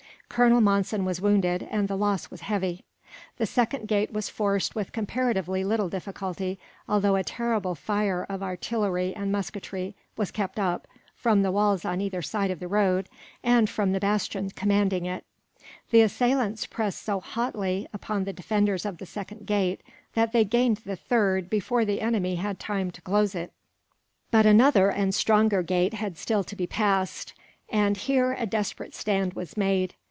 Colonel Monson was wounded, and the loss was heavy. The second gate was forced with comparatively little difficulty, although a terrible fire of artillery and musketry was kept up, from the walls on either side of the road, and from the bastion commanding it. The assailants pressed so hotly, upon the defenders of the second gate, that they gained the third before the enemy had time to close it. But another and stronger gate had still to be passed, and here a desperate stand was made.